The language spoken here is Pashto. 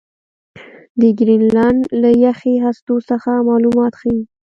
د ګرینلنډ له یخي هستو څخه معلومات ښيي.